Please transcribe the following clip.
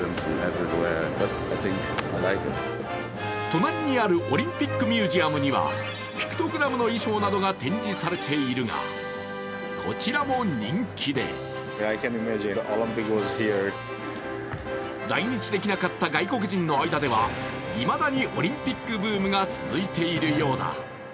隣にあるオリンピックミュージアムにはピクトグラムの衣装などが展示されているが、こちらも人気で来日できなかった外国人の間ではいまだにオリンピックブームが続いているようだ。